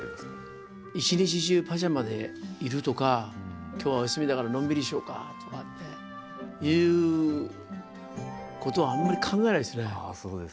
一日中パジャマでいるとか今日はお休みだからのんびりしようかとかっていうことはあんまり考えないですね。